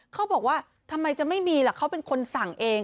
เขาบอกว่าทำไมจะไม่มีล่ะเขาเป็นคนสั่งเอง